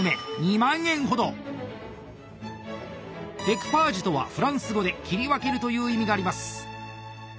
「デクパージュ」とはフランス語で「切り分ける」という意味があります。